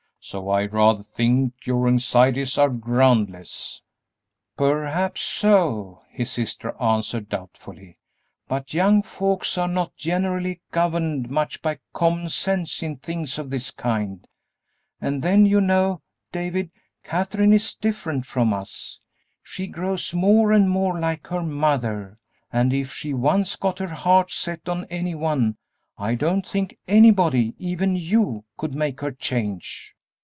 So I rather think your anxieties are groundless." "Perhaps so," his sister answered, doubtfully, "but young folks are not generally governed much by common sense in things of this kind; and then you know, David, Katherine is different from us, she grows more and more like her mother, and if she once got her heart set on any one, I don't think anybody even you could make her change."